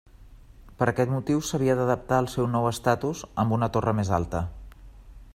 Per aquest motiu s'havia d'adaptar al seu nou estatus amb una torre més alta.